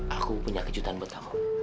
aku punya kejutan buat kamu